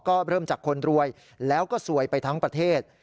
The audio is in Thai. ก็เริ่มจากคนรวยแล้วก็สวยไปทั้งประเทศ